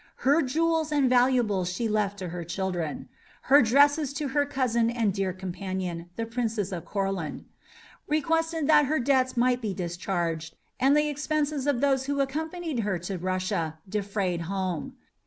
Her jewels and valuables she left to her children; her dresses to her cousin and dear companion, the Princess of Courland; requested that her debts might be discharged, and the expenses of those who had accompanied her to Russia defrayed home.